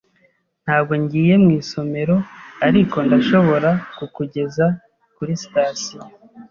Ntabwo ngiye mu isomero, ariko ndashobora kukugeza kuri sitasiyo.